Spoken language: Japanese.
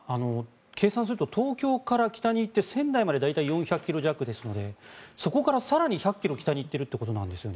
計算すると東京から北に行って仙台まで大体４００ｋｍ弱ですのでそこから更に１００ｋｍ北に行っているということなんですね。